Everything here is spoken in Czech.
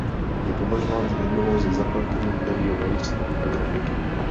Je považován za jednoho ze zakladatelů moderního malířství a grafiky.